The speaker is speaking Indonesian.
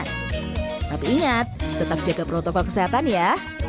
tapi ingat tetap jaga protokol kesehatan ya